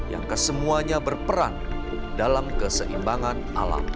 yang kesemuanya berperan dalam keseimbangan alam